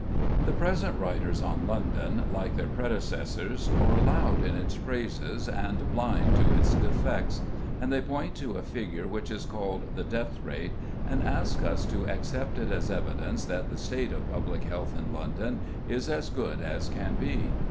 The present writers on London, like their predecessors, are loud in its praises and blind to its defects, and they point to a figure which is called "the death rate," and ask us to accept it as evidence that the state of public health in London is as good as can be.